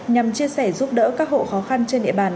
nhằm chia sẻ giúp đỡ các hộ khó khăn trên địa bàn